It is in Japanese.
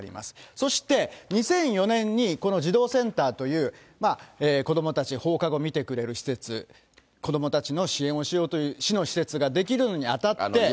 そして２００４年にこの児童センターという、子どもたち、放課後見てくれる施設、子どもたちの支援をしようという市の施設が出来るのにあたって。